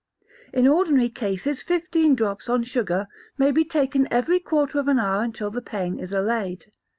In ordinary cases fifteen drops on sugar may be taken every quarter of an hour until the pain is allayed.